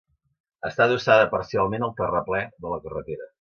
Està adossada parcialment al terraplè de la carretera.